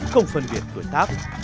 không phân biệt tuổi tác